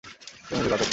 এই মুভির বাজেট!